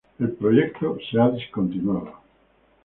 El proyecto se ha discontinuado.